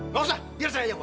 gak usah biar saya yang bawa